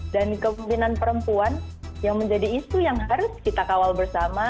dan kemungkinan perempuan yang menjadi isu yang harus kita kawal bersama